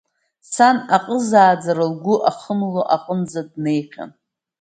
Сан аҟызааӡара лгәы ахымло аҟынӡа днеихьан.